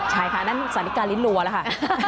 ใช่ค่ะอันนั้นสาธิกาลิ้นรัวแล้วค่ะ